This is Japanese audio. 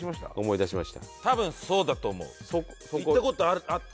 多分そうだと思う。